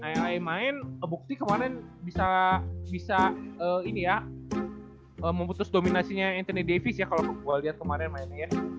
ia main bukti kemarin bisa bisa ini ya memutus dominasinya anthony davis ya kalo gue liat kemarin mainnya ya